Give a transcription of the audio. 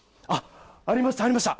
ありました、ありました。